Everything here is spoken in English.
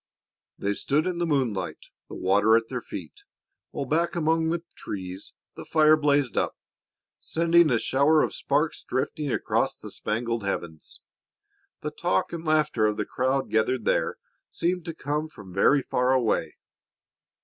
They stood in the moonlight, the water at their feet, while back among the trees the fire blazed up, sending a shower of sparks drifting across the spangled heavens. The talk and laughter of the crowd gathered there seemed to come from very far away.